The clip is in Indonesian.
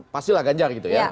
pasti lah ganjar gitu ya